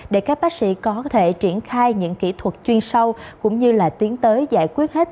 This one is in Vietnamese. để các bác sĩ có thể triển khai những kỹ thuật chuyên sâu cũng như là tiến tới giải quyết hết